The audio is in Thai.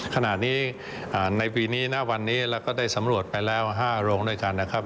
ขณะนี้ในปีนี้ณวันนี้เราก็ได้สำรวจไปแล้ว๕โรงด้วยกันนะครับ